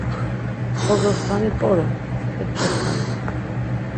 Bozoskani p̌orom, ep̌ç̌opare.